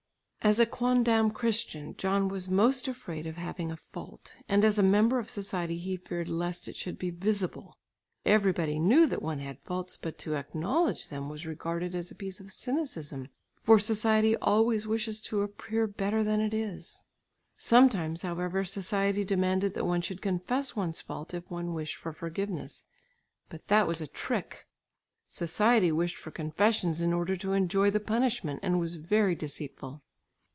As a quondam Christian, John was most afraid of having a fault, and as a member of society he feared lest it should be visible. Everybody knew that one had faults, but to acknowledge them was regarded as a piece of cynicism, for society always wishes to appear better than it is. Sometimes, however, society demanded that one should confess one's fault if one wished for forgiveness, but that was a trick. Society wished for confession in order to enjoy the punishment, and was very deceitful.